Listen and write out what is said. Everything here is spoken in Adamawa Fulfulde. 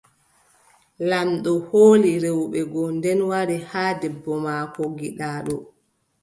Laamɗo hooli rewɓe go, nden wari haa debbo maako giɗaaɗo.